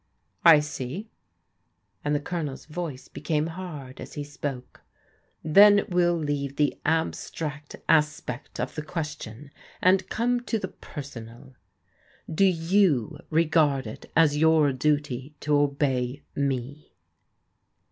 "I see," and the Colonel's voice became hard as he spoke :" then we'll leave the abstract aspect of the ques tion, and come to the personal. Do you regard it as your duty to obey me?